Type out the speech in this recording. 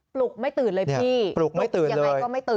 ปลุกไม่ตื่นเลยพี่ปลุกอย่างไรก็ไม่ตื่น